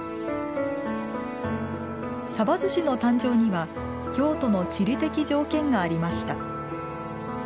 さばずしの誕生には京都の地理的条件がありました。